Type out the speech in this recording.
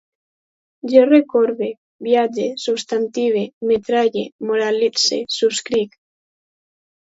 Jo recorbe, viatge, substantive, metralle, moralitze, subscric